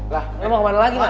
lah lo mau kemana lagi mas